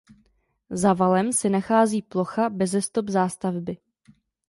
Za valem se nachází plocha beze stop zástavby.